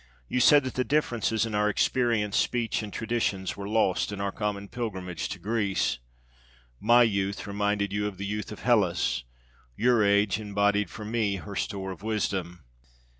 You said that the differences in our experience, speech and traditions were lost in our common pilgrimage to Greece. My youth reminded you of the youth of Hellas, your age embodied for me her store of wisdom.